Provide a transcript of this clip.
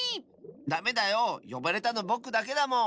ダメだよよばれたのぼくだけだもん！